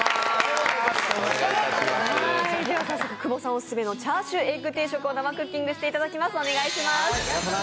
では、早速、久保さんオススメのチャーシューエッグ定食を生クッキングしていただきます。